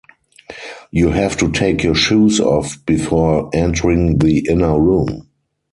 You have to take your shoes off before entering the inner room.